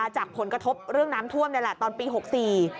จากผลกระทบเรื่องน้ำท่วมนี่แหละตอนปีหกสี่